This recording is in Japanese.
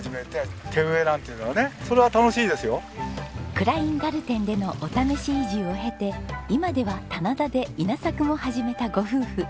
クラインガルテンでのお試し移住を経て今では棚田で稲作も始めたご夫婦。